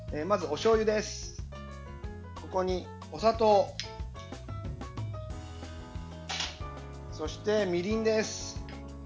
そこにお砂糖そして、みりんです。